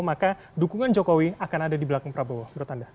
maka dukungan jokowi akan ada di belakang prabowo menurut anda